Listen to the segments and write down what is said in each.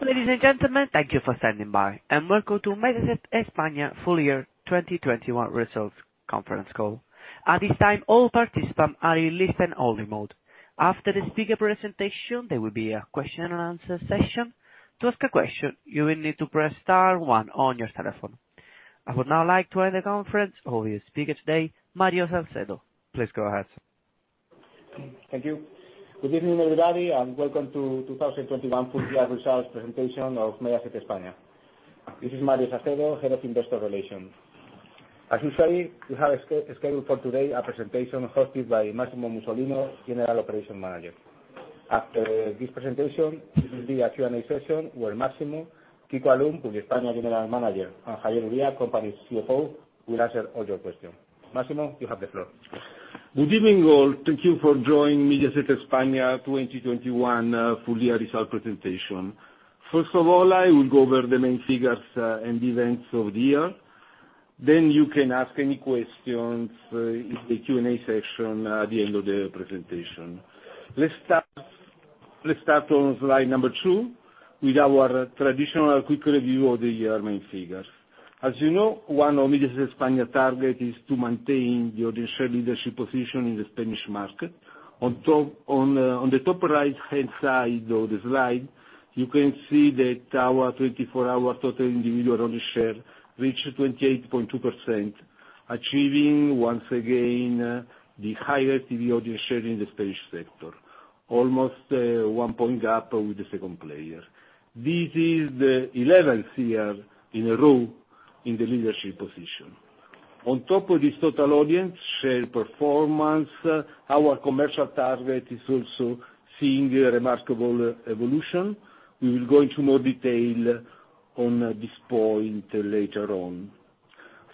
Ladies and gentlemen, thank you for standing by, and welcome to Mediaset España full year 2021 results conference call. At this time, all participants are in listen-only mode. After the speaker presentation, there will be a Q&A session. To ask a question, you will need to press star one on your telephone. I would now like to hand the conference over to the speaker today, Mario Sacedo. Please go ahead. Thank you. Good evening, everybody, and welcome to 2021 full year results presentation of Mediaset España. This is Mario Salcedo, Head of Investor Relations. As you say, we have schedule for today a presentation hosted by Massimo Musolino, General Operations Manager. After this presentation, there will be a Q&A session where Massimo, Paolo Vasile, España General Manager, and Javier Uría, Company CFO, will answer all your question. Massimo, you have the floor. Good evening, all. Thank you for joining Mediaset España 2021 full year result presentation. First of all, I will go over the main figures and events of the year, then you can ask any questions in the Q&A session at the end of the presentation. Let's start on slide number two with our traditional quick review of the year main figures. As you know, one of Mediaset España target is to maintain the audience share leadership position in the Spanish market. On the top right-hand side of the slide, you can see that our 24-hour total individual audience share reached 28.2%, achieving once again the highest TV audience share in the Spanish sector, almost one-point gap with the second player. This is the 11th year in a row in the leadership position. On top of this total audience share performance, our commercial target is also seeing a remarkable evolution. We will go into more detail on this point later on.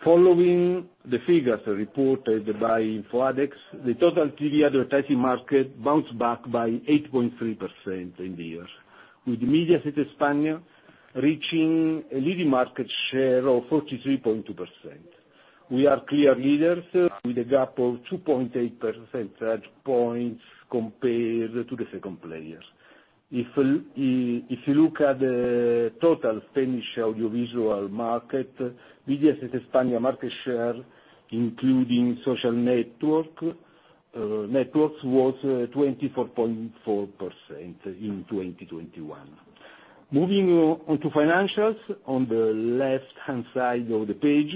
Following the figures reported by InfoAdex, the total TV advertising market bounced back by 8.3% in the year, with Mediaset España reaching a leading market share of 43.2%. We are clear leaders with a gap of 2.8 percentage points compared to the second players. If you look at the total Spanish audiovisual market, Mediaset España market share, including social networks, was 24.4% in 2021. Moving onto financials, on the left-hand side of the page,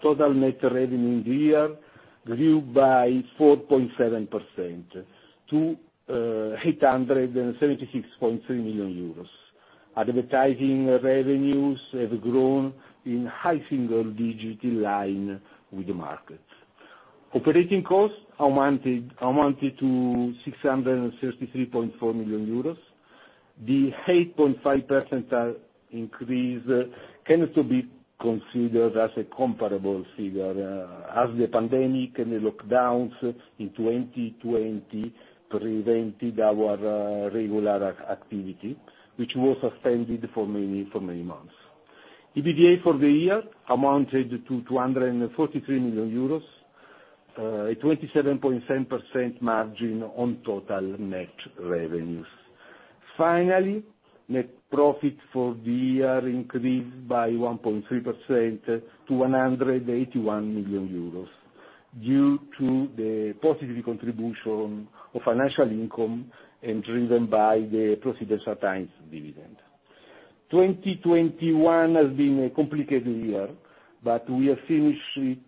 total net revenue in the year grew by 4.7% to 876.3 million euros. Advertising revenues have grown in high single digits, in line with the market. Operating costs amounted to 633.4 million euros. The 8.5% increase cannot be considered as a comparable figure, as the pandemic and the lockdowns in 2020 prevented our regular activity, which was suspended for many months. EBITDA for the year amounted to 243 million euros, a 27.7% margin on total net revenues. Finally, net profit for the year increased by 1.3% to 181 million euros due to the positive contribution of financial income and driven by the ProSiebenSat.1 dividend. 2021 has been a complicated year, but we have finished it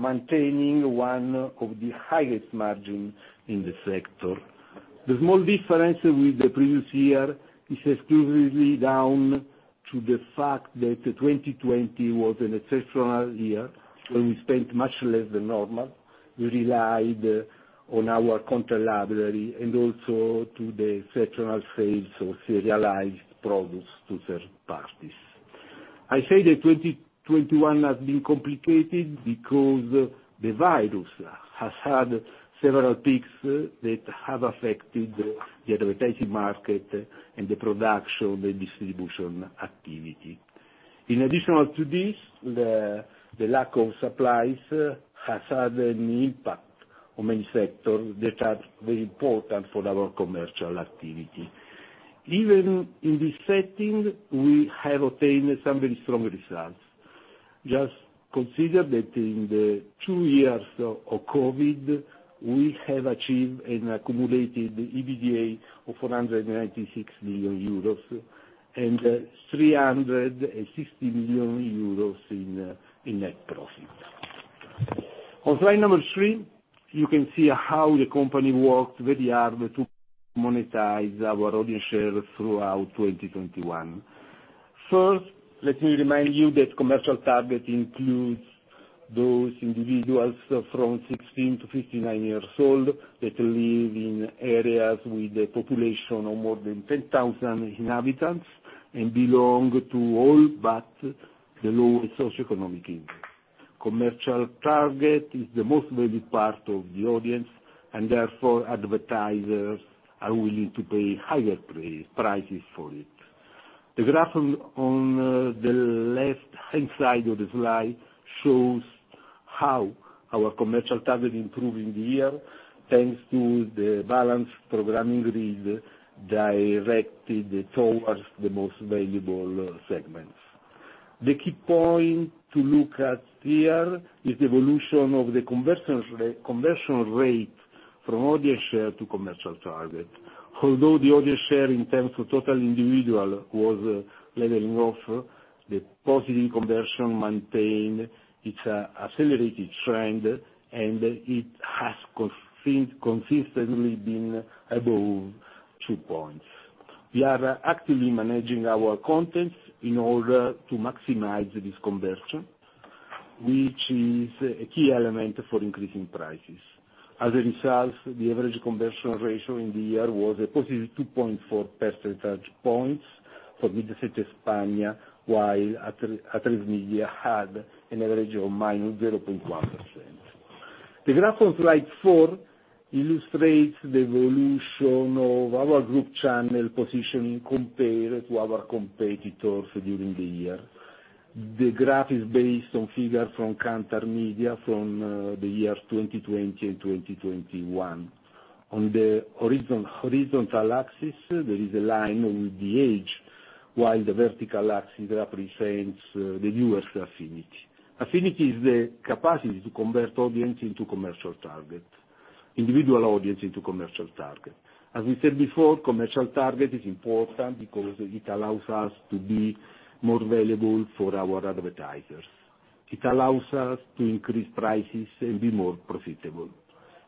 maintaining one of the highest margins in the sector. The small difference with the previous year is exclusively down to the fact that 2020 was an exceptional year, when we spent much less than normal. We relied on our content library and also to the exceptional sales of serialized products to third parties. I say that 2021 has been complicated because the virus has had several peaks that have affected the advertising market and the production and distribution activity. In addition to this, the lack of supplies has had an impact on many sectors that are very important for our commercial activity. Even in this setting, we have obtained some very strong results. Just consider that in the two years of COVID, we have achieved an accumulated EBITDA of 496 million euros and 360 million euros in net profit. On slide number three, you can see how the company worked very hard to monetize our audience share throughout 2021. First, let me remind you that commercial target includes those individuals from 16 years old-59 years old that live in areas with a population of more than 10,000 inhabitants and belong to all but the lowest socioeconomic index. Commercial target is the most valued part of the audience, and therefore advertisers are willing to pay higher prices for it. The graph on the left-hand side of the slide shows how our commercial target improved in the year, thanks to the balanced programming grid directed towards the most valuable segments. The key point to look at here is the evolution of the conversion rate from audience share to commercial target. Although the audience share in terms of total individual was leveling off, the positive conversion maintained its accelerated trend, and it has consistently been above 2 points. We are actively managing our content in order to maximize this conversion, which is a key element for increasing prices. As a result, the average conversion ratio in the year was a positive 2.4 percentage points for Mediaset España, while Atresmedia had an average of minus 0.1%. The graph on slide four illustrates the evolution of our group channel positioning compared to our competitors during the year. The graph is based on figures from Kantar Media from the years 2020 and 2021. On the horizontal axis, there is a line with the age, while the vertical axis represents the viewers affinity. Affinity is the capacity to convert audience into commercial target, individual audience into commercial target. As we said before, commercial target is important because it allows us to be more valuable for our advertisers. It allows us to increase prices and be more profitable.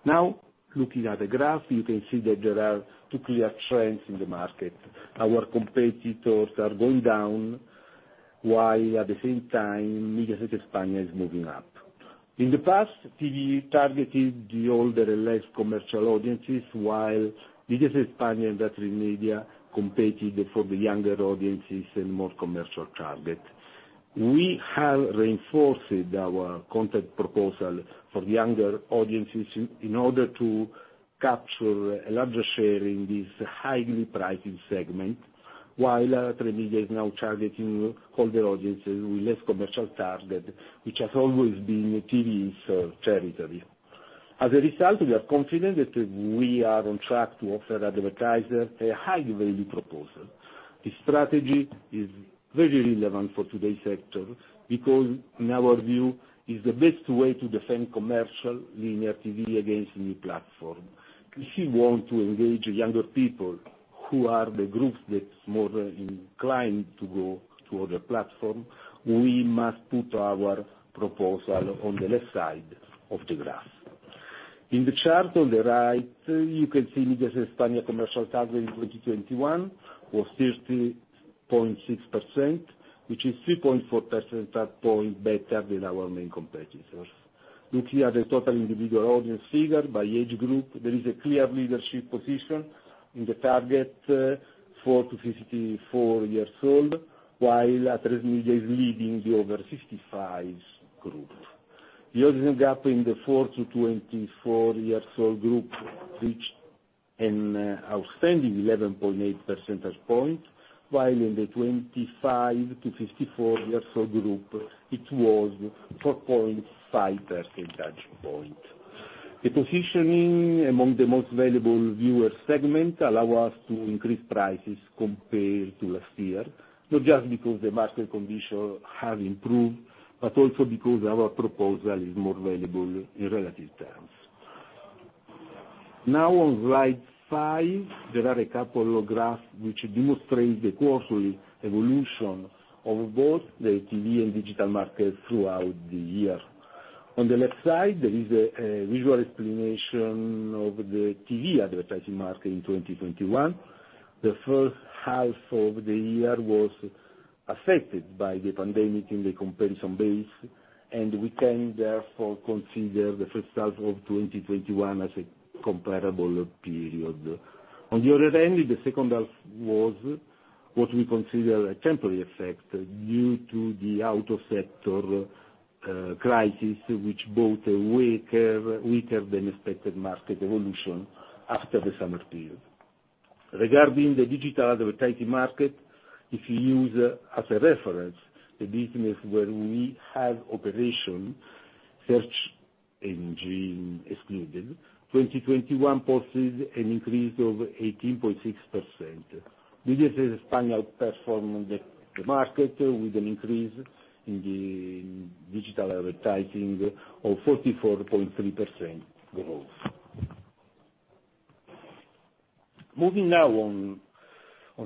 Now, looking at the graph, you can see that there are two clear trends in the market. Our competitors are going down, while at the same time, Mediaset España is moving up. In the past, TV targeted the older and less commercial audiences, while Mediaset España and Atresmedia competed for the younger audiences and more commercial target. We have reinforced our content proposal for younger audiences in order to capture a larger share in this highly prized segment, while Atresmedia is now targeting older audiences with less commercial target, which has always been TV's territory. As a result, we are confident that we are on track to offer advertisers a high-value proposal. This strategy is very relevant for today's sector because in our view, it's the best way to defend commercial linear TV against new platform. If you want to engage younger people who are the group that's more inclined to go to other platform, we must put our proposal on the left side of the graph. In the chart on the right, you can see Mediaset España commercial target in 2021 was 30.6%, which is 3.4 percentage point better than our main competitors. Looking at the total individual audience figure by age group, there is a clear leadership position in the target, 4 years old-54 years old, while Atresmedia is leading the over 55s group. The audience gap in the 4 years old-24 years old group reached an outstanding 11.8 percentage points, while in the 25 years old-54 years old group, it was 4.5 percentage points. The positioning among the most valuable viewer segment allows us to increase prices compared to last year, not just because the market condition have improved, but also because our proposal is more valuable in relative terms. Now on slide five, there are a couple of graphs which demonstrate the quarterly evolution of both the TV and digital market throughout the year. On the left side, there is a visual explanation of the TV advertising market in 2021. The first half of the year was affected by the pandemic in the comparison base, and we can therefore consider the first half of 2021 as a comparable period. On the other hand, the second half was what we consider a temporary effect due to the auto sector crisis, which brought a weaker than expected market evolution after the summer period. Regarding the digital advertising market, if you use as a reference the business where we have operation, search engine excluded, 2021 posted an increase of 18.6%. Mediaset España outperformed the market with an increase in the digital advertising of 44.3% growth. Moving now on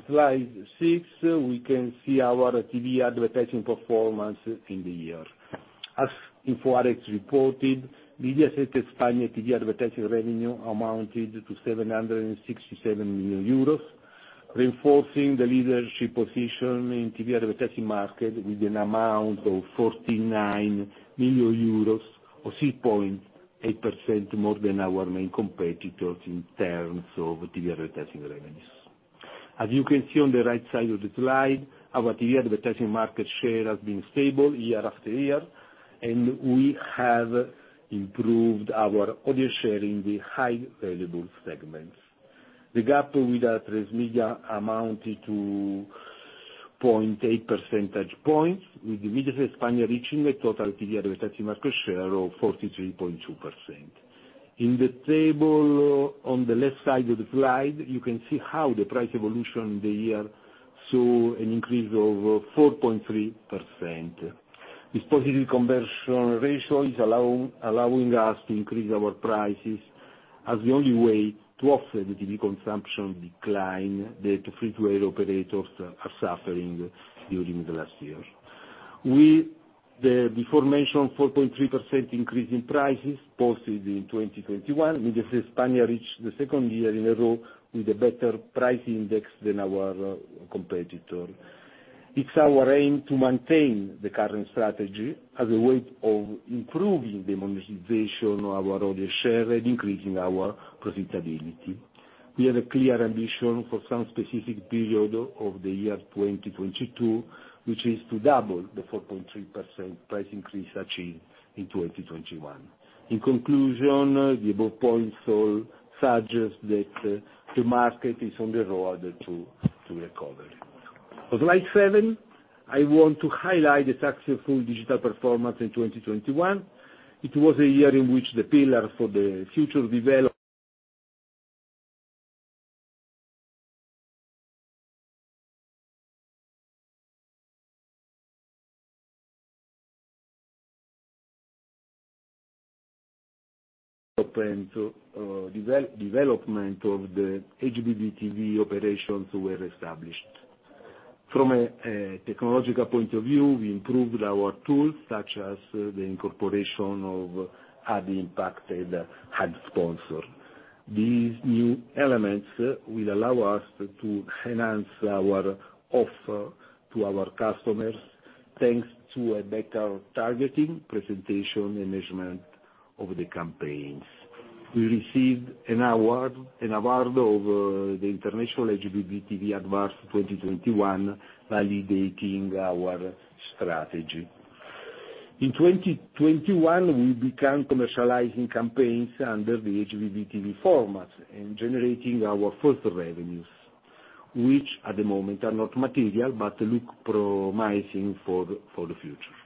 slide six, we can see our TV advertising performance in the year. As InfoAdex reported, Mediaset España TV advertising revenue amounted to 767 million euros, reinforcing the leadership position in TV advertising market with an amount of 49 million euros or 6.8% more than our main competitors in terms of TV advertising revenues. As you can see on the right side of the slide, our TV advertising market share has been stable year after year, and we have improved our audience share in the high available segments. The gap with Atresmedia amounted to 0.8 percentage points, with Mediaset España reaching a total period advertising market share of 43.2%. In the table on the left side of the slide, you can see how the price evolution in the year saw an increase of 4.3%. This positive conversion ratio allowing us to increase our prices as the only way to offset the TV consumption decline that free-to-air operators are suffering during the last year. The aforementioned 4.3% increase in prices posted in 2021, Mediaset España reached the second year in a row with a better price index than our competitor. It's our aim to maintain the current strategy as a way of improving the monetization of our audience share and increasing our profitability. We have a clear ambition for some specific period of the year 2022, which is to double the 4.3% price increase achieved in 2021. In conclusion, the above points all suggest that the market is on the road to recovery. On slide seven, I want to highlight the successful digital performance in 2021. It was a year in which the pillar for the future development of the HbbTV operations were established. From a technological point of view, we improved our tools such as the incorporation of ad impact and ad sponsor. These new elements will allow us to enhance our offer to our customers, thanks to a better targeting, presentation and management of the campaigns. We received an award of the International HbbTV Awards 2021, validating our strategy. In 2021, we began commercializing campaigns under the HbbTV format and generating our first revenues, which at the moment are not material but look promising for the future.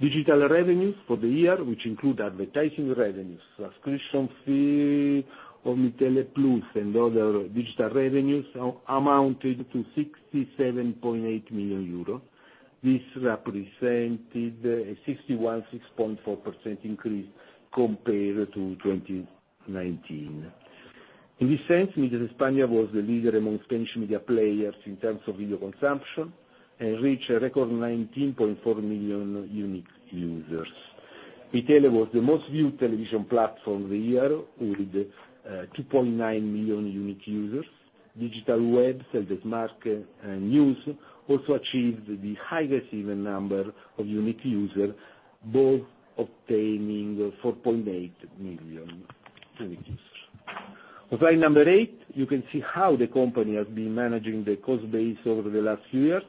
Digital revenues for the year, which include advertising revenues, subscription fee of Mitele Plus and other digital revenues, amounted to 67.8 million euros. This represented a 61.6% increase compared to 2019. In this sense, Mediaset España was the leader among Spanish media players in terms of video consumption and reached a record 19.4 million unique users. Mitele was the most viewed television platform of the year with 2.9 million unique users. Digital web, ElDesmarque and News also achieved the highest ever number of unique users, both obtaining 4.8 million unique users. On slide eight, you can see how the company has been managing the cost base over the last few years.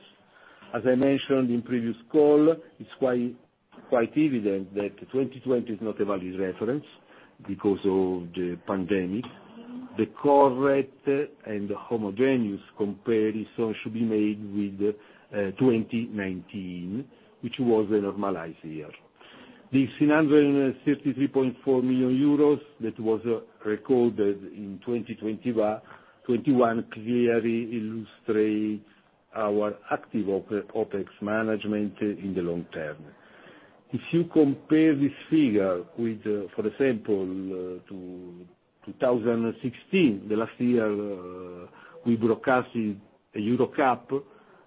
As I mentioned in previous call, it's quite evident that 2020 is not a valid reference because of the pandemic. The correct and homogeneous comparison should be made with 2019, which was a normalized year. The 333.4 million euros that was recorded in 2021 clearly illustrates our active OpEx management in the long term. If you compare this figure with, for example, 2016, the last year we broadcast in EuroCup,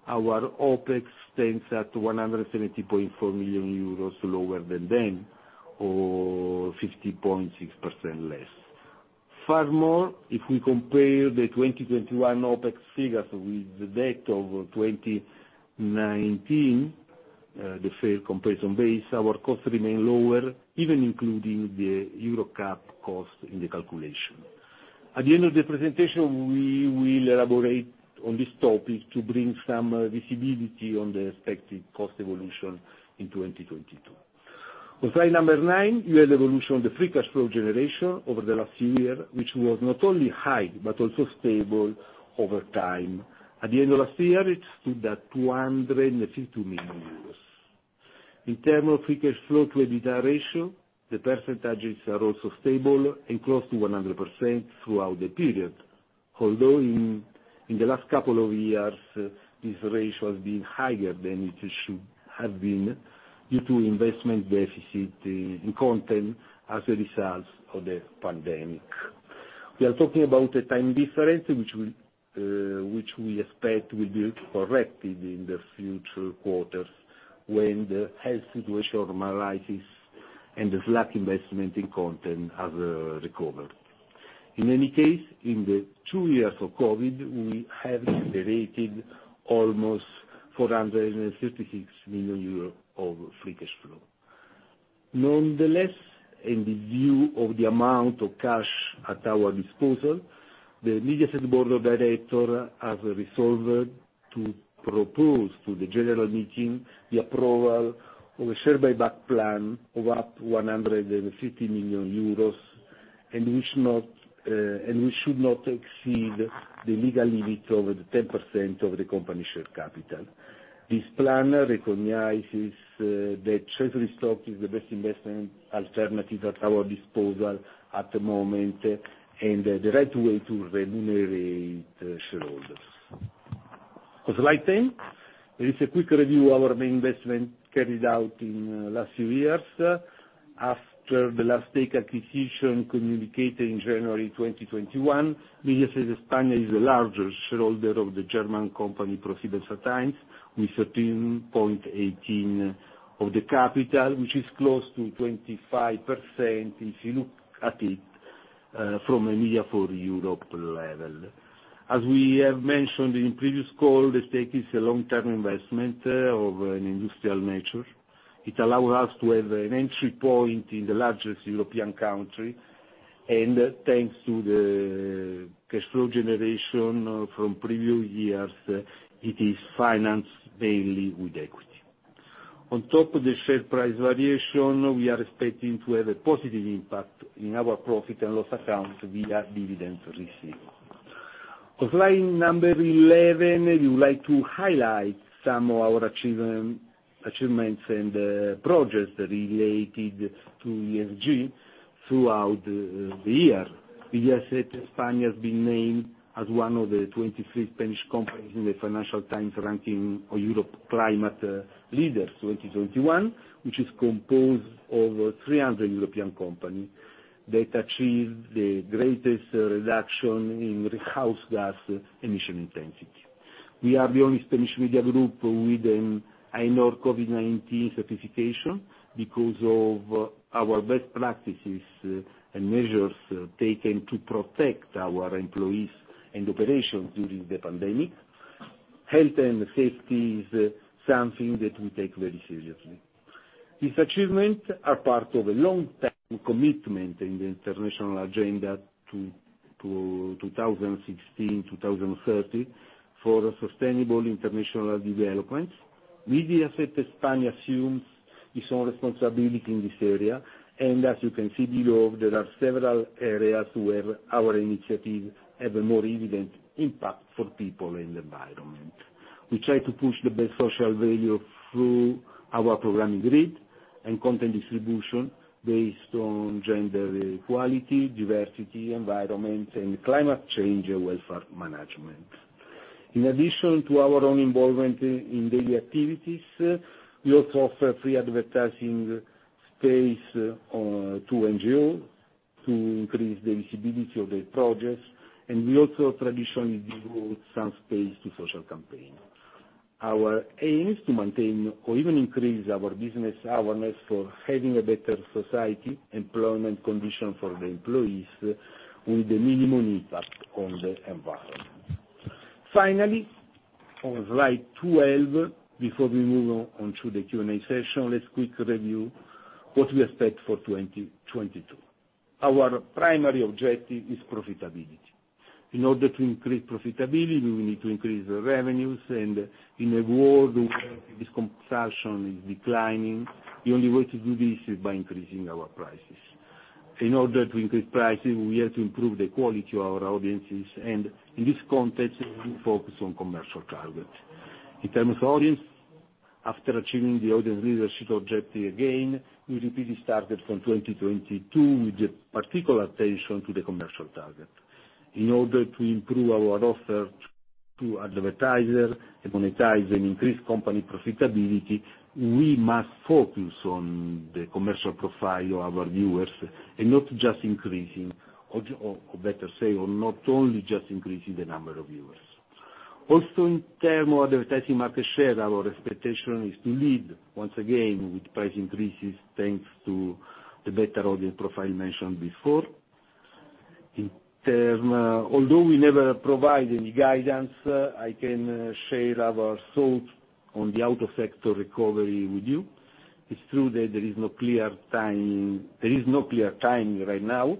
our OpEx stands at 170.4 million euros lower than then, or 50.6% less. Furthermore, if we compare the 2021 OpEx figures with the date of 2019, the fair comparison base, our costs remain lower even including the EuroCup cost in the calculation. At the end of the presentation, we will elaborate on this topic to bring some visibility on the expected cost evolution in 2022. On slide number nine, you have evolution of the free cash flow generation over the last year, which was not only high but also stable over time. At the end of last year, it stood at 252 million euros. In term of free cash flow to EBITDA ratio, the percentages are also stable and close to 100% throughout the period, although in the last couple of years, this ratio has been higher than it should have been due to investment deficit in content as a result of the pandemic. We are talking about a time difference, which we expect will be corrected in the future quarters when the health situation normalizes and the lack of investment in content has recovered. In any case, in the two years of COVID, we have generated almost 456 million euro of free cash flow. Nonetheless, in view of the amount of cash at our disposal, the Mediaset board of directors has resolved to propose to the general meeting the approval of a share buyback plan of up to 150 million euros. We should not exceed the legal limit of the 10% of the company share capital. This plan recognizes that treasury stock is the best investment alternative at our disposal at the moment, and the right way to remunerate shareholders. On slide 10, there is a quick review of our main investment carried out in last few years. After the latest acquisition communicated in January 2021, Mediaset España is the largest shareholder of the German company ProSiebenSat.1, with 13.18% of the capital, which is close to 25% if you look at it from a Media for Europe level. As we have mentioned in previous call, the stake is a long-term investment of an industrial nature. It allows us to have an entry point in the largest European country, and thanks to the cash flow generation from previous years, it is financed mainly with equity. On top of the share price variation, we are expecting to have a positive impact in our profit and loss account via dividend received. On slide number 11, we would like to highlight some of our achievements and projects related to ESG throughout the year. Mediaset España has been named as one of the 23 Spanish companies in the Financial Times ranking of Europe Climate Leaders 2021, which is composed of 300 European companies that achieved the greatest reduction in the greenhouse gas emission intensity. We are the only Spanish media group with an AENOR COVID-19 certification because of our best practices and measures taken to protect our employees and operations during the pandemic. Health and safety is something that we take very seriously. These achievements are part of a long-term commitment in the international agenda to 2016, 2030 for sustainable international developments. Mediaset España assumes its own responsibility in this area, and as you can see below, there are several areas where our initiatives have a more evident impact for people and the environment. We try to push the best social value through our programming grid and content distribution based on gender equality, diversity, environment, and climate change and welfare management. In addition to our own involvement in daily activities, we also offer free advertising space to NGO to increase the visibility of their projects, and we also traditionally devote some space to social campaign. Our aim is to maintain or even increase our business awareness for having a better society employment condition for the employees with the minimum impact on the environment. Finally, on slide 12, before we move on to the Q&A session, let's quickly review what we expect for 2022. Our primary objective is profitability. In order to increase profitability, we will need to increase the revenues, and in a world where this consumption is declining, the only way to do this is by increasing our prices. In order to increase prices, we have to improve the quality of our audiences, and in this context, we focus on commercial target. In terms of audience, after achieving the audience leadership objective again, we repeatedly started from 2022 with a particular attention to the commercial target. In order to improve our offer to advertiser and monetize and increase company profitability, we must focus on the commercial profile of our viewers and not just increasing, or better say, not only just increasing the number of viewers. Also, in terms of advertising market share, our expectation is to lead once again with price increases, thanks to the better audience profile mentioned before. In turn, although we never provide any guidance, I can share our thoughts on the auto sector recovery with you. It's true that there is no clear time, there is no clear timing right now,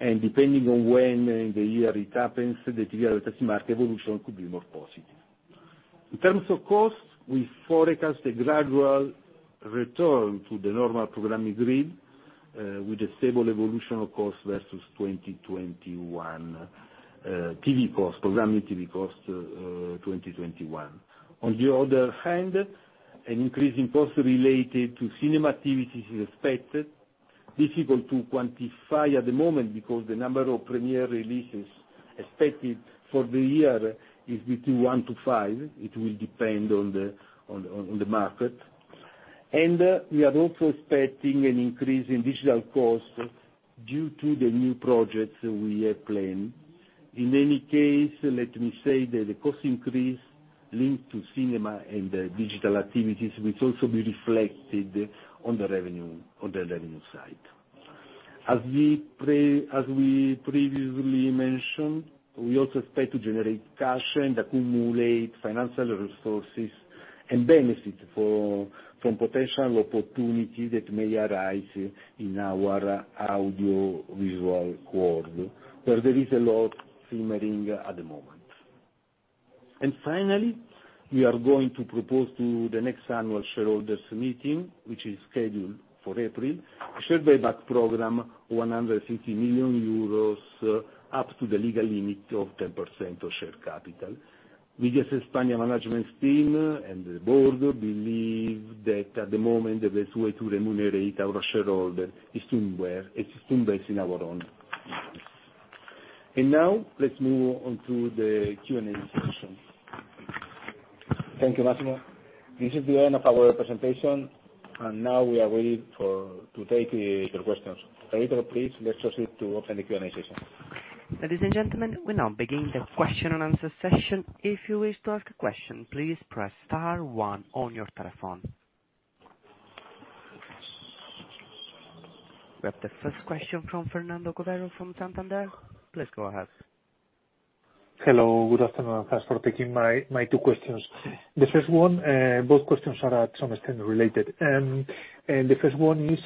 and depending on when in the year it happens, the TV advertising market evolution could be more positive. In terms of costs, we forecast a gradual return to the normal programming grid, with a stable evolution of TV programming costs versus 2021. On the other hand, an increase in costs related to cinema activities is expected. Difficult to quantify at the moment because the number of premiere releases expected for the year is between 1-5. It will depend on the market. We are also expecting an increase in digital costs due to the new projects we have planned. In any case, let me say that the cost increase linked to cinema and the digital activities will also be reflected on the revenue, on the revenue side. As we previously mentioned, we also expect to generate cash and accumulate financial resources and benefit from potential opportunities that may arise in our audiovisual world, where there is a lot simmering at the moment. Finally, we are going to propose to the next annual shareholders meeting, which is scheduled for April, a share buyback program, 150 million euros, up to the legal limit of 10% of share capital. Mediaset España management team and the board believe that at the moment, the best way to remunerate our shareholder is to invest in our own business. Now, let's move on to the Q&A session. Thank you, Massimo. This is the end of our presentation, and now we are ready to take your questions. Operator, please, let's proceed to open the Q&A session. Ladies and gentlemen, we're now beginning the Q&A session. If you wish to ask a question, please press star one on your telephone. We have the first question from Fernando Cordero from Santander. Please go ahead. Hello. Good afternoon. Thanks for taking my two questions. The first one, both questions are to some extent related. The first one is,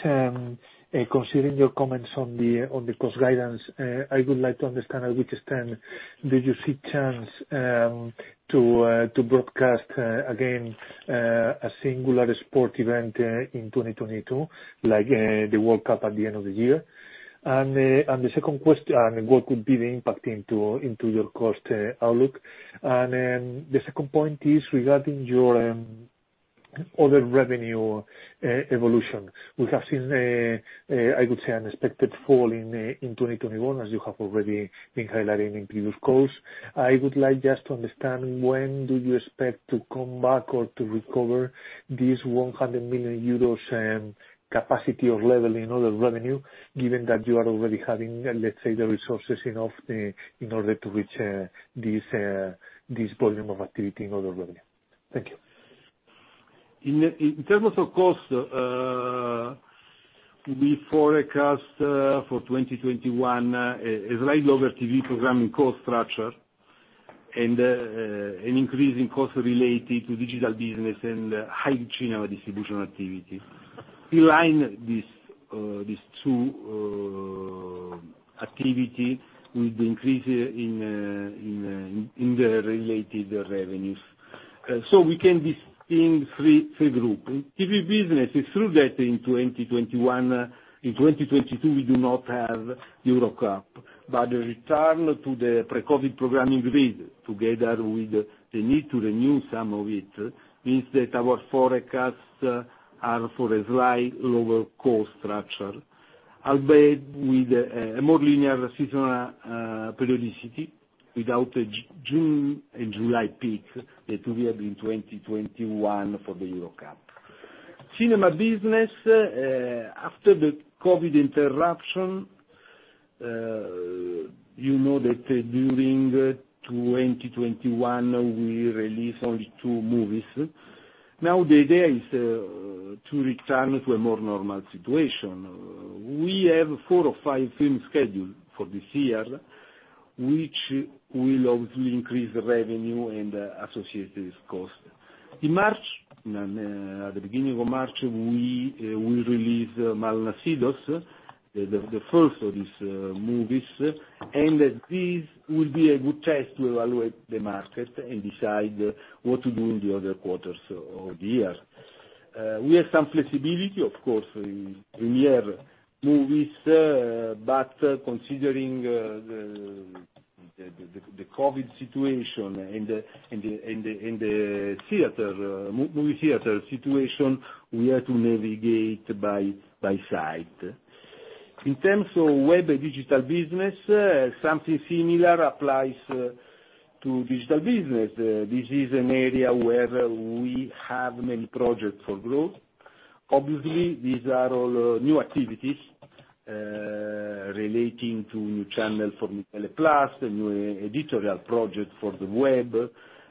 considering your comments on the cost guidance, I would like to understand to what extent do you see chance to broadcast again a singular sport event in 2022, like the World Cup at the end of the year. And what could be the impact into your cost outlook. The second point is regarding your other revenue evolution. We have seen a I would say unexpected fall in 2021, as you have already been highlighting in previous calls. I would like just to understand when do you expect to come back or to recover this 100 million euros capacity or level in other revenue, given that you are already having, let's say, the resources enough, in order to reach this volume of activity in other revenue? Thank you. In terms of cost, we forecast for 2021 a slightly lower TV programming cost structure and an increase in cost related to digital business and higher general distribution activity. In line with this, these two activities with the increase in the related revenues. We can distinguish three groups. TV business, it's true that in 2021, in 2022, we do not have EuroCup, but the return to the pre-COVID programming grid, together with the need to renew some of it, means that our forecasts are for a slightly lower cost structure, albeit with a more linear seasonal periodicity without the June and July peak that we have in 2021 for the EuroCup. Cinema business, after the COVID interruption, you know that during 2021, we released only two movies. Now, the idea is to return to a more normal situation. We have four or five films scheduled for this year, which will obviously increase revenue and associated cost. In the beginning of March, we release Malnazidos, the first of these movies. This will be a good test to evaluate the market and decide what to do in the other quarters of the year. We have some flexibility, of course, in premiere movies, but considering the COVID situation and the movie theater situation, we have to navigate by sight. In terms of web and digital business, something similar applies to digital business. This is an area where we have many projects for growth. Obviously, these are all new activities relating to new channels for Mitele Plus, the new editorial project for the web,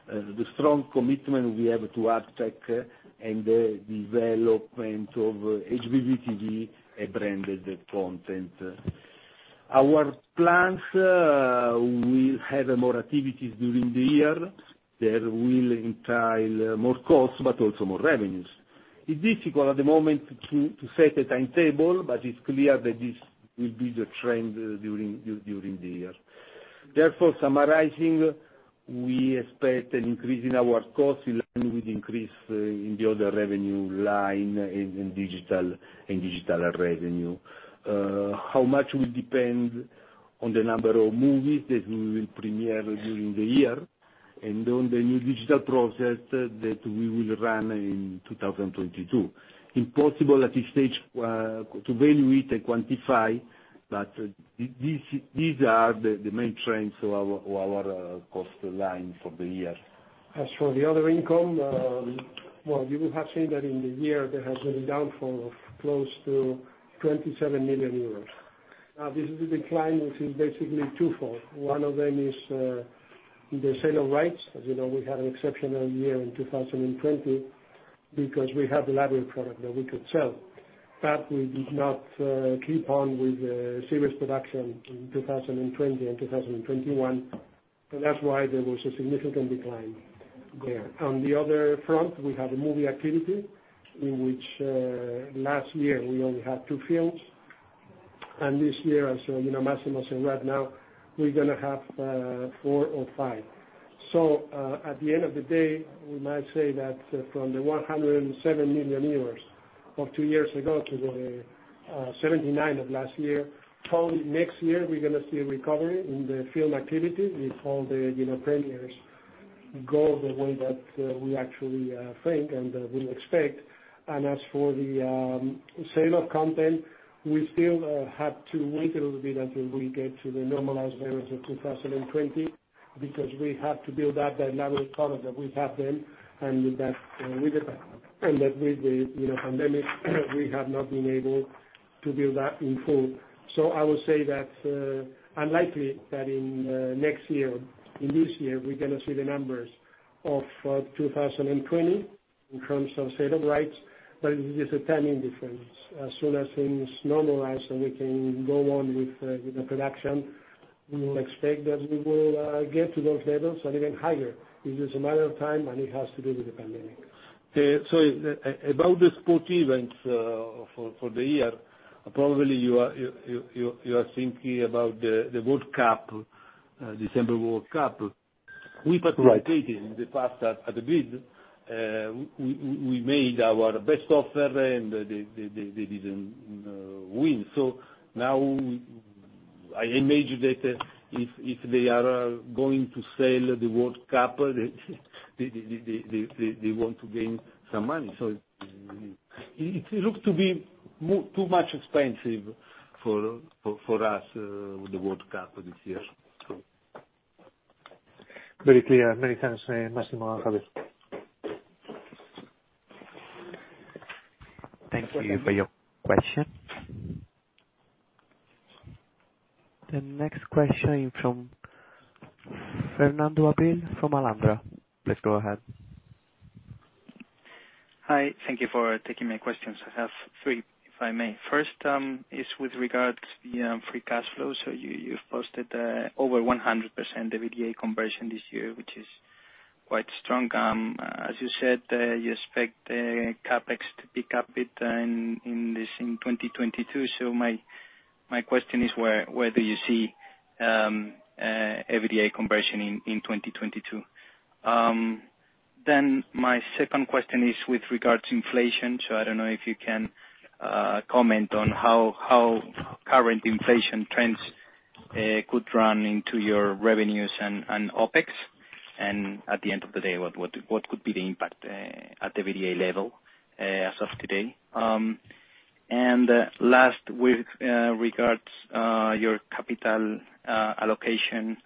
the strong commitment we have to ad tech and the development of HbbTV, branded content. Our plans, we have more activities during the year that will entail more costs, but also more revenues. It's difficult at the moment to set a timetable, but it's clear that this will be the trend during the year. Therefore, summarizing, we expect an increase in our costs in line with increase in the other revenue line in digital revenue. How much will depend on the number of movies that we will premiere during the year and on the new digital process that we will run in 2022. Impossible at this stage to value it and quantify, but these are the main trends of our cost line for the year. As for the other income, well, you will have seen that in the year there has been a decline of close to 27 million euros. This is the decline, which is basically twofold. One of them is the sale of rights. As you know, we had an exceptional year in 2020 because we had the library product that we could sell, but we did not keep on with the series production in 2020 and 2021. That's why there was a significant decline there. On the other front, we have a movie activity in which last year we only had two films. This year, as you know, Massimo said right now, we're gonna have four or five. At the end of the day, we might say that from the 107 million euros of two years ago to the 79 million of last year, probably next year we're gonna see a recovery in the film activity if all the, you know, premieres go the way that we actually think and we expect. As for the sale of content, we still have to wait a little bit until we get to the normalized levels of 2020, because we have to build up that level of product that we have then, and with that, you know, pandemic we have not been able to build that in full. I will say that it's unlikely that in next year, in this year, we're gonna see the numbers of 2020 in terms of sale of rights, but it is a timing difference. As soon as things normalize and we can go on with the production, we will expect that we will get to those levels and even higher. It is a matter of time, and it has to do with the pandemic. About the sports events for the year, probably you are thinking about the World Cup, December World Cup. We participated In the past at the bid, we made our best offer and they didn't win. Now I imagine that if they are going to sell the World Cup, they want to gain some money. It looks to be much too expensive for us, the World Cup this year. Very clear. Many thanks, Massimo and Javier. Thank you for your question. The next question from Fernando Abril-Martorell from Alantra. Please go ahead. Hi. Thank you for taking my questions. I have three, if I may. First, is with regards to the free cash flow. You've posted over 100% EBITDA conversion this year, which is quite strong. As you said, you expect CapEx to pick up a bit in 2022. My question is whether you see EBITDA conversion in 2022. My second question is with regards to inflation. I don't know if you can comment on how current inflation trends could run into your revenues and OpEx, and at the end of the day, what could be the impact at the EBITDA level as of today. Last, with regards to your capital allocation.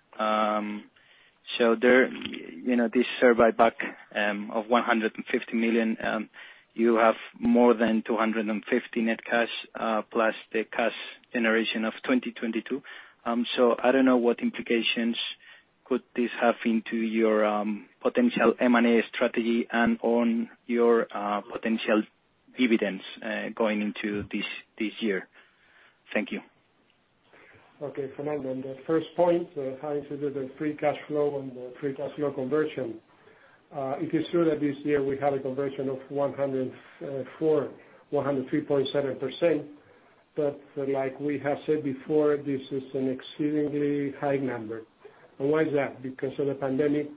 There, you know, this share buyback of 150 million, you have more than 250 million net cash, plus the cash generation of 2022. I don't know what implications could this have into your potential M&A strategy and on your potential dividends going into this year. Thank you. Okay. Fernando, on the first point, how you said that the free cash flow and the free cash flow conversion. It is true that this year we had a conversion of 103.7%. Like we have said before, this is an exceedingly high number. Why is that? Because of the pandemic,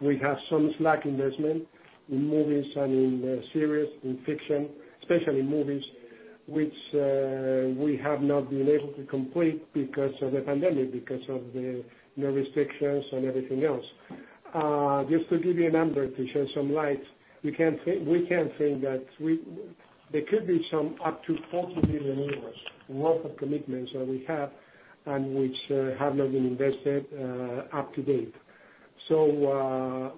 we have some slack investment in movies and in series, in fiction, especially movies, which we have not been able to complete because of the pandemic, because of the you know, restrictions and everything else. Just to give you a number to shed some light, we can think that we there could be up to 40 million euros worth of commitments that we have and which have not been invested up to date. Whether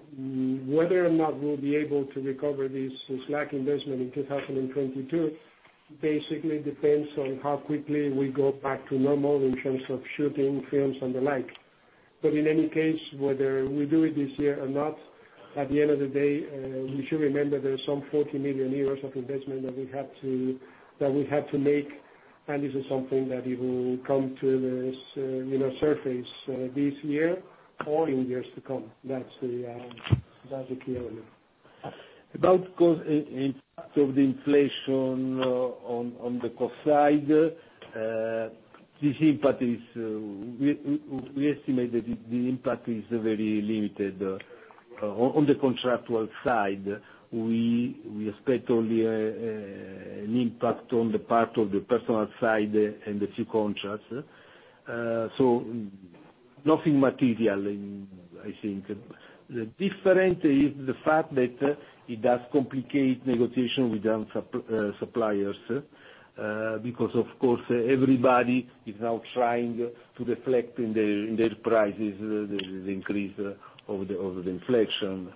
or not we'll be able to recover this slack investment in 2022 basically depends on how quickly we go back to normal in terms of shooting films and the like. In any case, whether we do it this year or not, at the end of the day, you should remember there's some 40 million euros of investment that we have to make, and this is something that it will come to the surface this year or in years to come. That's the key element. About costs in terms of the inflation, on the cost side, this impact is, we estimate that the impact is very limited. On the contractual side, we expect only an impact on the part of the personnel side and a few contracts. Nothing material, I think. The difference is the fact that it does complicate negotiation with our suppliers, because of course everybody is now trying to reflect in their prices the increase of the inflation.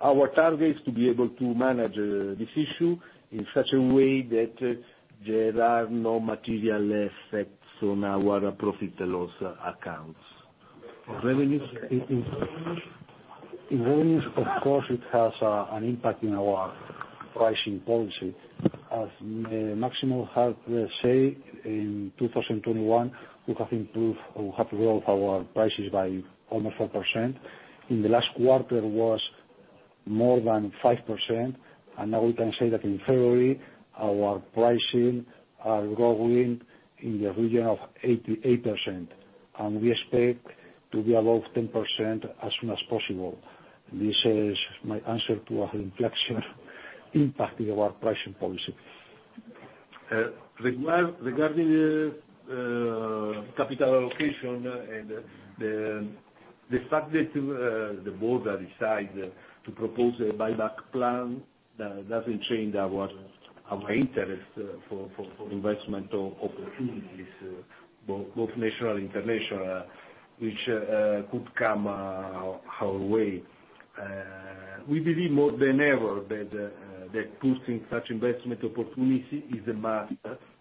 Our target is to be able to manage this issue in such a way that there are no material effects on our profit and loss accounts. Revenues, in volumes, of course, it has an impact in our pricing policy. As Massimo has said, in 2021, we have improved or grown our prices by almost 4%. In the last quarter was More than 5%, and now we can say that in February, our pricing are growing in the region of 88%. We expect to be above 10% as soon as possible. This is my answer to our inflation impact in our pricing policy. Regarding the capital allocation and the subject to the board that decide to propose a buyback plan, that doesn't change our interest for investment opportunities, both national and international, which could come our way. We believe more than ever that boosting such investment opportunity is a must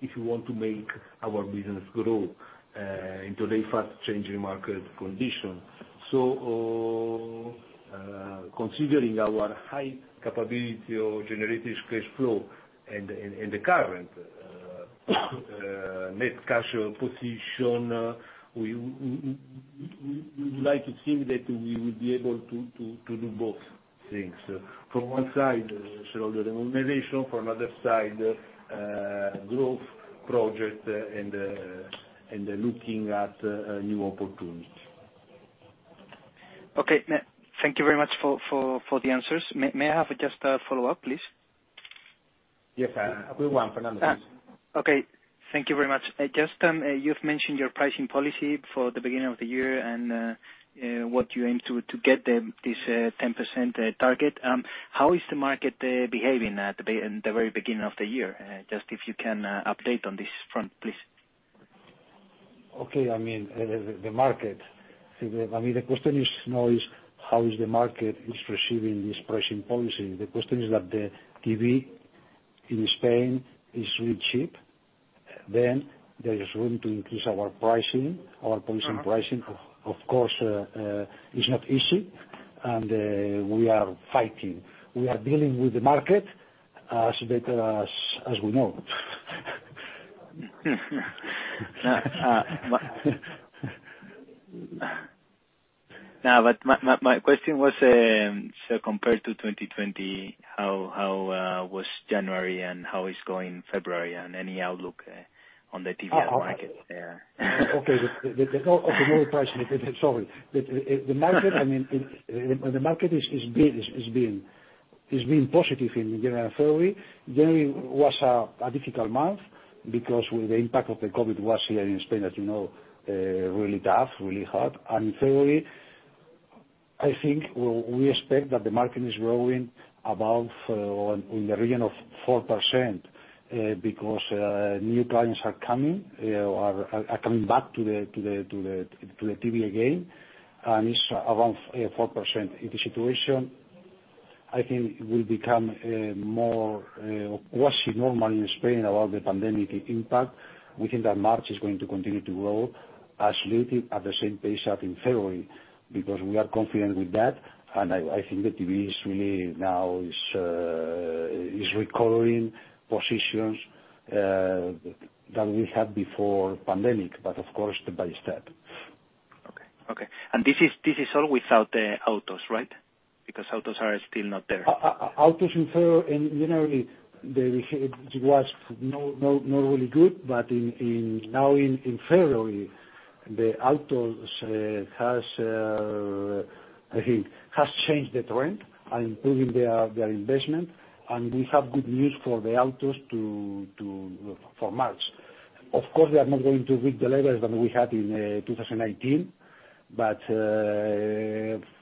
if you want to make our business grow in today's fast changing market condition. Considering our high capability of generating cash flow and the current net cash position, we would like to think that we will be able to do both things. From one side, shareholder remuneration, from other side, growth project and looking at new opportunities. Okay. Thank you very much for the answers. May I have just a follow-up, please? Yes. We want Fernando to- Okay. Thank you very much. Just, you've mentioned your pricing policy for the beginning of the year and what you aim to get this 10% target. How is the market behaving in the very beginning of the year? Just if you can update on this front, please. Okay. I mean, the market. I mean, the question is not how the market is receiving this pricing policy. The question is that the TV in Spain is really cheap, then there is room to increase our pricing. Our pricing, of course, is not easy, and we are fighting. We are dealing with the market as best as we know. No, my question was compared to 2020, how was January and how is going February and any outlook on the TV market? Yeah. Okay. No, the pricing. Sorry. The market, I mean, the market is being positive in January and February. January was a difficult month because with the impact of the COVID was here in Spain, as you know, really tough, really hard. February, I think we expect that the market is growing above or in the region of 4%, because new clients are coming or are coming back to the TV again, and it's around 4%. If the situation, I think, will become more quasi-normal in Spain about the pandemic impact, we think that March is going to continue to grow absolutely at the same pace as in February, because we are confident with that. I think the TV is really now recovering positions that we had before pandemic, but of course, step by step. Okay. This is all without the autos, right? Because autos are still not there. Autos in February. In January, it was not really good, but in February, the autos, I think, has changed the trend and improving their investment. We have good news for the autos too for March. Of course, they are not going to reach the levels that we had in 2018.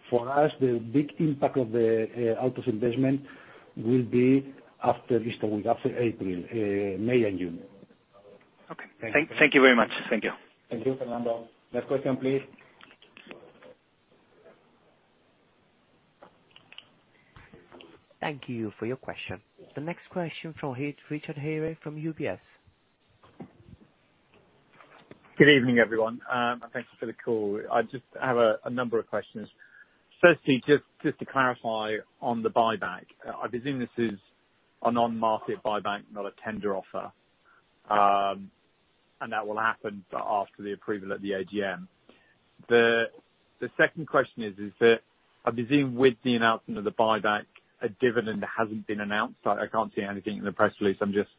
For us, the big impact of the autos investment will be after this week, after April, May and June. Okay. Thank you very much. Thank you. Thank you, Fernando. Next question, please. Thank you for your question. The next question from Richard Eary from UBS. Good evening, everyone. Thanks for the call. I just have a number of questions. Firstly, just to clarify on the buyback, I presume this is a non-market buyback, not a tender offer. That will happen after the approval at the AGM. The second question is that I presume with the announcement of the buyback, a dividend that hasn't been announced. I can't see anything in the press release. I just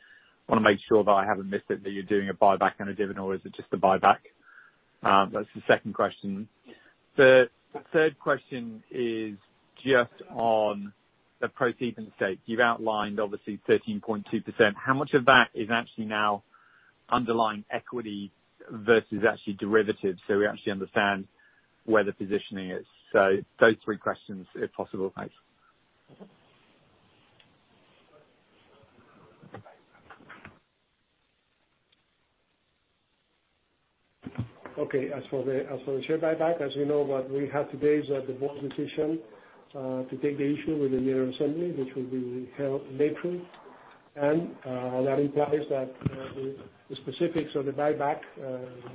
want to make sure that I haven't missed it, that you're doing a buyback and a dividend, or is it just a buyback? That's the second question. The third question is just on the ProSieben stake. You've outlined, obviously, 13.2%. How much of that is actually now underlying equity versus actually derivatives? So we actually understand where the positioning is. So those three questions, if possible, thanks. Okay. As for the share buyback, as you know, what we have today is the board's decision to take the issue with the general assembly, which will be held in April. That implies that the specifics of the buyback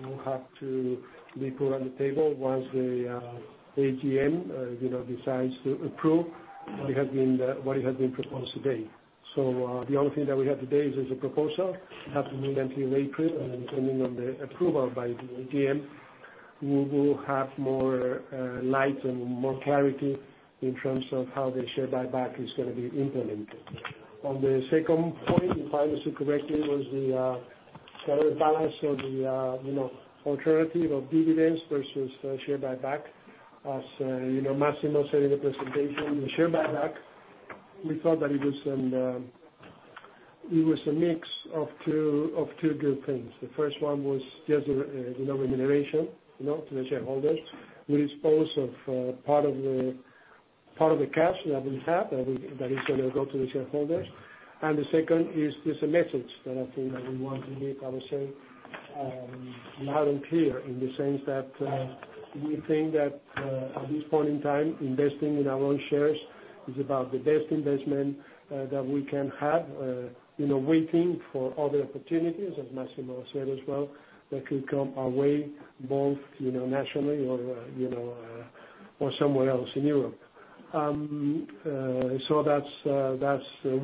will have to be put on the table once the AGM you know decides to approve what has been proposed today. The only thing that we have today is a proposal. It has to be done in April, and then depending on the approval by the AGM. We will have more light and more clarity in terms of how the share buyback is gonna be implemented. On the second point, if I understood correctly, was the sort of balance of the alternative of dividends versus share buyback. As Massimo said in the presentation, the share buyback, we thought that it was a mix of two good things. The first one was just remuneration to the shareholders. We dispose of part of the cash that we have that is gonna go to the shareholders. The second is just a message that I think that we want to make our case loud and clear, in the sense that we think that at this point in time, investing in our own shares is about the best investment that we can have, you know, waiting for other opportunities, as Massimo said as well, that could come our way both, you know, nationally or, you know, or somewhere else in Europe. That's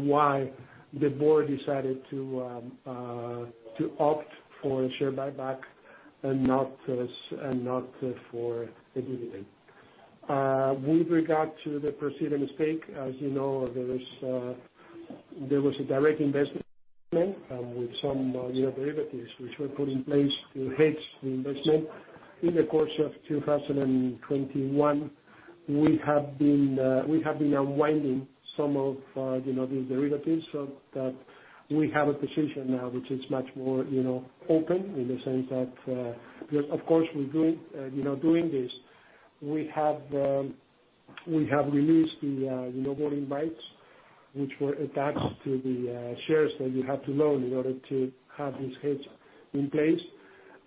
why the board decided to opt for a share buyback and not for a dividend. With regard to the preceding stake, as you know, there was a direct investment with some, you know, derivatives which were put in place to hedge the investment. In the course of 2021, we have been unwinding some of, you know, the derivatives so that we have a position now which is much more, you know, open in the sense that, because of course we're doing, you know, doing this. We have released the, you know, voting rights which were attached to the shares that we had to loan in order to have this hedge in place.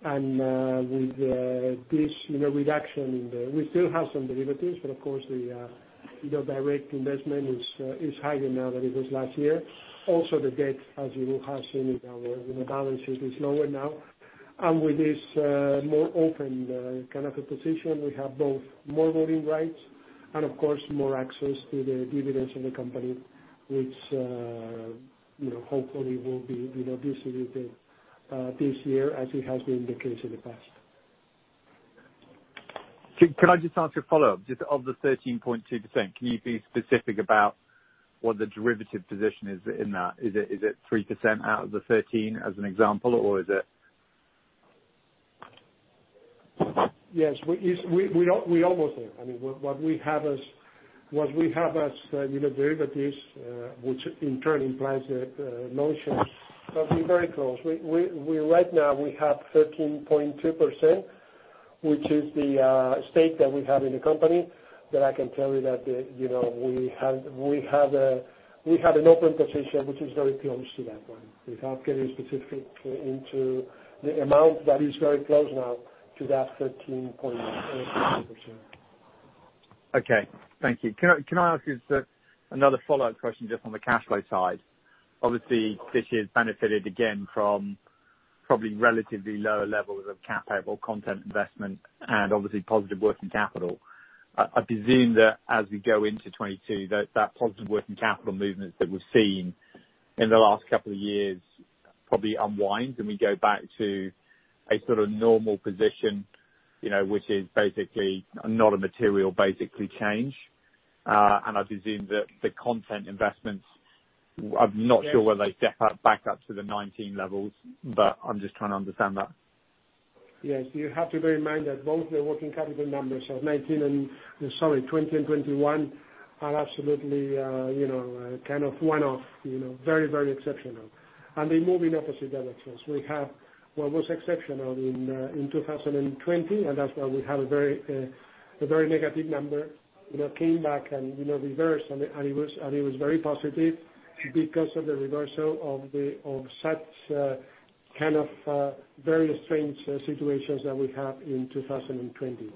With this, you know, reduction. We still have some derivatives, but of course the, you know, direct investment is higher now than it was last year. Also, the debt, as you have seen in our, you know, balances is lower now. With this more open kind of a position, we have both more voting rights and of course more access to the dividends of the company, which you know hopefully will be you know distributed this year as it has been the case in the past. Can I just ask a follow-up? Just of the 13.2%, can you be specific about what the derivative position is in that? Is it 3% out of the 13, as an example, or is it? Yes. We're almost there. I mean, what we have as, you know, derivatives, which in turn implies that no shares. We're very close. We right now have 13.2%, which is the stake that we have in the company, but I can tell you that, you know, we have an open position which is very close to that one. Without getting specific into the amount, that is very close now to that 13.2%. Okay. Thank you. Can I ask you another follow-up question just on the cash flow side? Obviously this year has benefited again from probably relatively lower levels of CapEx or content investment and obviously positive working capital. I presume that as we go into 2022 that positive working capital movement that we've seen in the last couple of years probably unwinds and we go back to a sort of normal position, you know, which is basically not a material, basically change. I presume that the content investments, I'm not sure whether they step back up to the 2019 levels, but I'm just trying to understand that. Yes. You have to bear in mind that both the working capital numbers of 2019 and, sorry, 2020 and 2021 are absolutely, you know, kind of one-off, you know. Very, very exceptional. They move in opposite directions. We have what was exceptional in 2020, and that's why we have a very negative number, you know, came back and, you know, reversed and it was very positive because of the reversal of such kind of very strange situations that we had in 2020.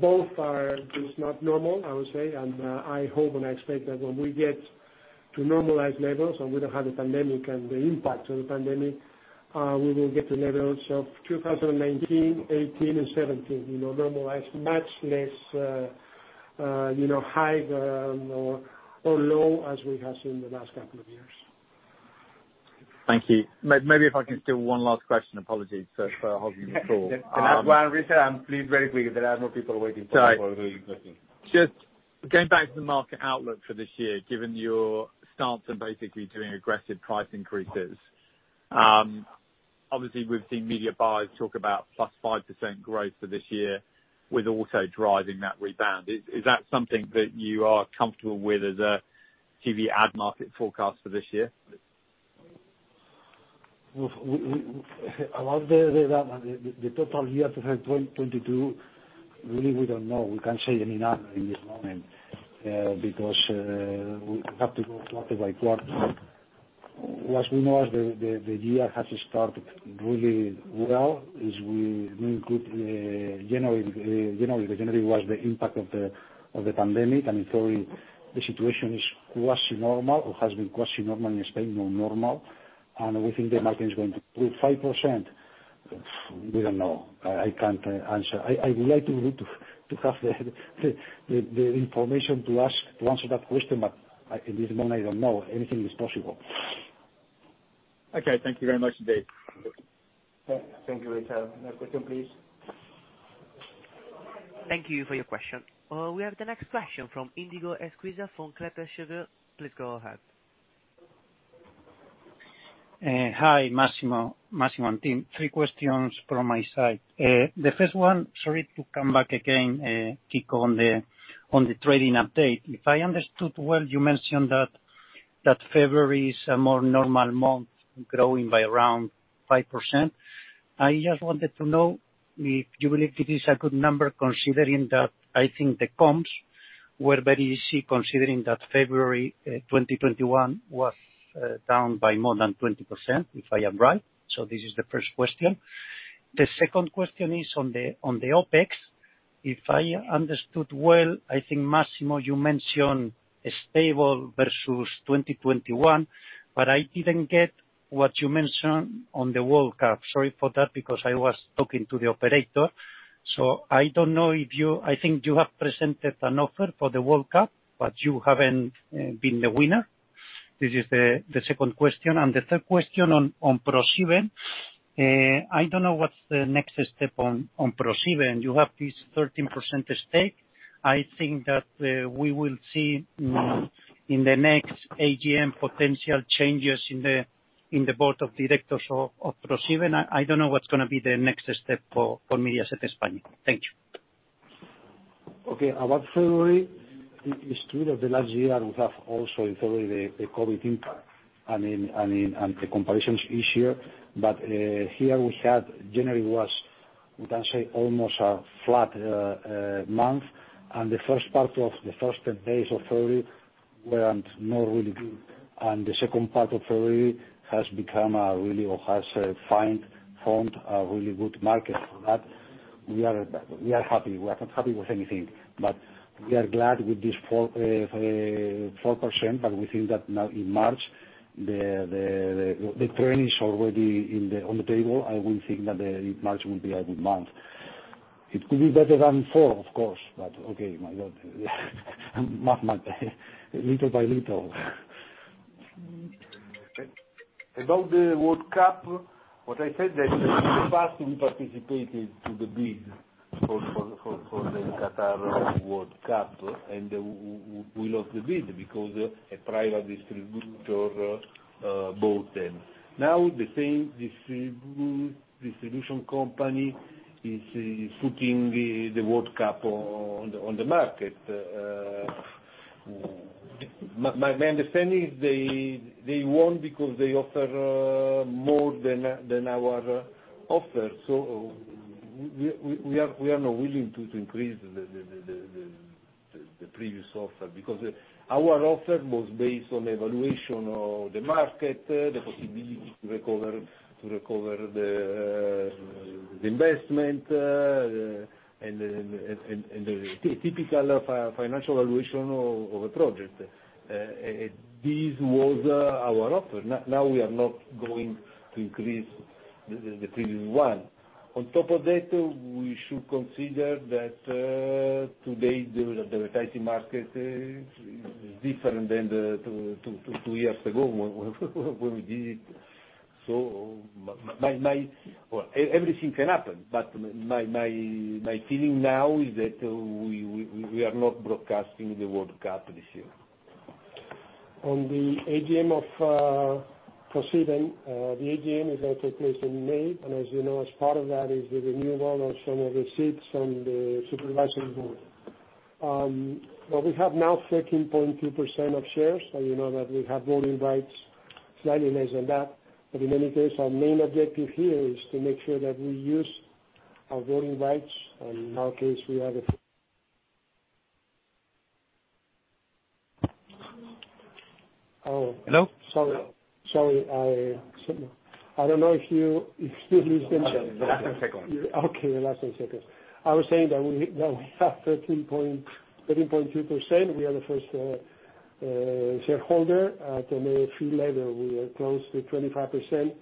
Both are just not normal, I would say. I hope and I expect that when we get to normalized levels and we don't have the pandemic and the impact of the pandemic, we will get the levels of 2019, 2018 and 2017. You know, normalized much less, you know, high or low as we have seen the last couple of years. Thank you. Maybe if I can steal one last question. Apologies for hogging the call. Just one, Richard, and please very quick. There are more people waiting for the presentation. Sorry. Just going back to the market outlook for this year, given your stance on basically doing aggressive price increases, obviously we've seen media buyers talk about +5% growth for this year with auto driving that rebound. Is that something that you are comfortable with as a TV ad market forecast for this year? What about the total year for 2022? Really, we don't know. We can't say any number in this moment because we have to go quarter by quarter. What we know is that the year has started really well, we include January. January was the impact of the pandemic and it's very, the situation is quasi normal or has been quasi normal in Spain, you know, normal. We think the market is going to grow 5%. We don't know. I can't answer. I would like to have the information to answer that question, but in this moment I don't know. Anything is possible. Okay, thank you very much indeed. Thank you, Richard. Next question, please. Thank you for your question. We have the next question from Iñigo Egusquiza from Kepler Cheuvreux. Please go ahead. Hi, Massimo. Massimo and team. Three questions from my side. The first one, sorry to come back again, quick on the trading update. If I understood well, you mentioned that February is a more normal month, growing by around 5%. I just wanted to know if you believe it is a good number, considering that I think the comps were very easy, considering that February 2021 was down by more than 20%, if I am right. This is the first question. The second question is on the OpEx. If I understood well, I think, Massimo, you mentioned a stable versus 2021, but I didn't get what you mentioned on the World Cup. Sorry for that, because I was talking to the operator. I don't know if you I think you have presented an offer for the World Cup, but you haven't been the winner. This is the second question. The third question on ProSieben. I don't know what's the next step on ProSieben. You have this 13% stake. I think that we will see in the next AGM potential changes in the board of directors of ProSieben. I don't know what's gonna be the next step for Mediaset España. Thank you. Okay. About February, it is true that last year we have also in February the COVID impact and the comparison is easier. Here we had January was we can say almost a flat month and the first 10 days of February wasn't really good. The second part of February has found a really good market. That we are happy. We are not happy with anything but we are glad with this 4%. We think that now in March the turn is already on the table. I would think that March will be a good month. It could be better than 4% of course but okay my God little by little. About the World Cup, what I said that in the past we participated to the bid for the Qatar World Cup, and we lost the bid because a private distributor bought them. Now the same distribution company is putting the World Cup on the market. My understanding is they won because they offer more than our offer. We are not willing to increase the previous offer, because our offer was based on the evaluation of the market, the possibility to recover the investment, and the typical financial evaluation of a project. This was our offer. Now we are not going to increase the previous one. On top of that, we should consider that today the advertising market is different than two years ago when we did it. Well, everything can happen, but my feeling now is that we are not broadcasting the World Cup this year. On the AGM of ProSieben, the AGM is going to take place in May, and as you know, as part of that is the renewal of some of the seats on the supervisory board. Well, we have now 13.2% of shares. You know that we have voting rights slightly less than that. In any case, our main objective here is to make sure that we use our voting rights, and in our case, we have a... Hello? Sorry, I don't know if you lose connection. Last 10 seconds. Okay, the last 10 seconds. I was saying that we have 13.2%. We are the first shareholder. At the MFE level, we are close to 25%.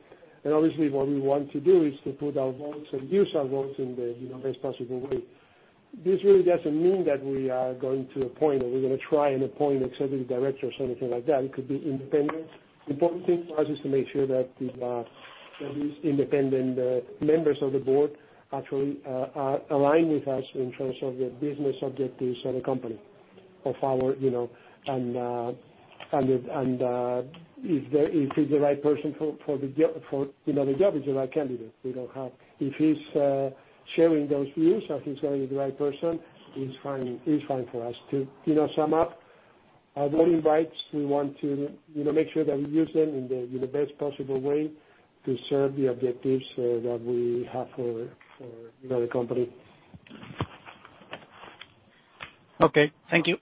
Obviously what we want to do is to put our votes and use our votes in the, you know, best possible way. This really doesn't mean that we are going to appoint or we're gonna try and appoint executive directors or anything like that. It could be independent. The important thing for us is to make sure that the at least independent members of the board actually are aligned with us in terms of the business objectives of the company. If he's the right person for the job, you know, the job is the right candidate. If he's sharing those views or he's going with the right person, he's fine for us to, you know, sum up our voting rights. We want to, you know, make sure that we use them in the best possible way to serve the objectives that we have for, you know, the company. Okay. Thank you.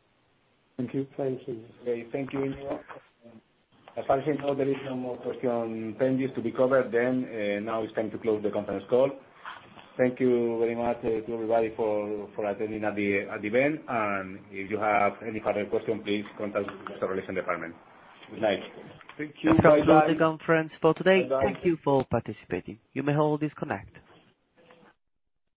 Thank you. Thank you. Okay, thank you. As far as I know, there is no more question pending to be covered then, now it's time to close the conference call. Thank you very much to everybody for attending at the event, and if you have any further questions, please contact the Relations department. Good night. Thank you. Bye-bye. This concludes the conference for today. Thank you for participating. You may all disconnect.